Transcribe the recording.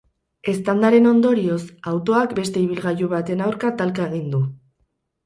Eztandaren ondorioz, autoak beste ibilgailu baten aurka talka egin du.